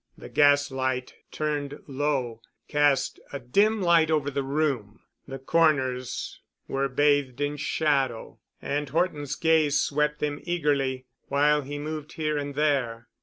The gas light, turned low, cast a dim light over the room. The corners ware bathed in shadow, and Horton's gaze swept them eagerly, while he moved here and there.